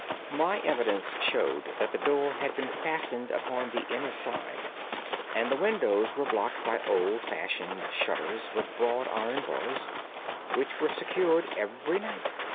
My evidence showed that the door had been fastened upon the inner side, and the windows were blocked by old fashioned shutters with broad iron bars, which were secured every night.